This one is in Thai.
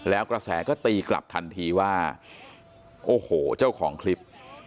แล้วกระแสก็ตีกลับทันทีว่าโอ้โหเจ้าของคลิป